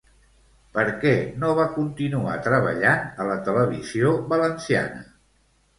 Per què no va continuar treballant a la televisió valenciana?